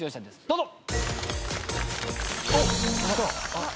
どうぞ。